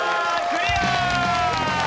クリア！